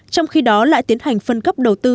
trong khi đó lại tiến hành phân cấp đầu tư